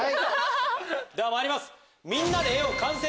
ではまいります。